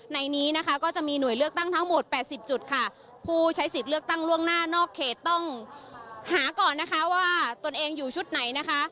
ในนี้นะคะก็จะมีหน่วยเลือกตั้งทั้งหมดแปดสิบจุดค่ะผู้ใช้สิทธิ์เลือกตั้งล่วงหน้านอกเขตต้องหาก่อนนะคะว่าตนเองอยู่ชุดไหนนะคะ